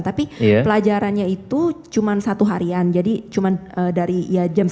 tapi pelajarannya itu cuma satu harian jadi cuma dari ya jam sembilan